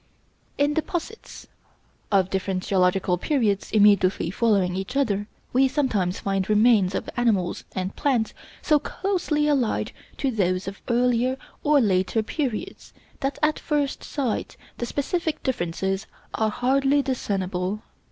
In deposits of different geological periods immediately following each other, we sometimes find remains of animals and plants so closely allied to those of earlier or later periods that at first sight the specific differences are hardly discernible.